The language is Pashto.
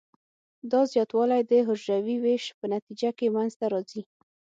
دا زیاتوالی د حجروي ویش په نتیجه کې منځ ته راځي.